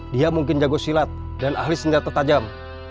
dia mungkin jago silat dan ahli senjata tajam